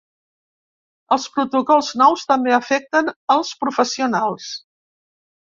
Els protocols nous també afecten els professionals.